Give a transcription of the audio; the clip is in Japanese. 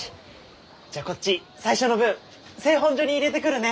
じゃあこっち最初の分製本所に入れてくるね！